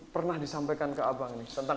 pernah disampaikan ke abang nih tentang